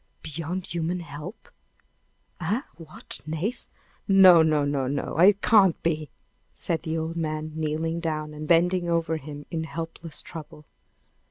"Beyond human help! Eh! what? Nace! No! no! no! no! It can't be!" said the old man, kneeling down, and bending over him in helpless trouble.